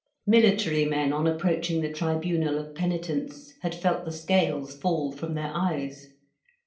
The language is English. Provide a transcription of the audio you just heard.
Military men on approaching the tribunal of penitence had felt the scales fall from their eyes.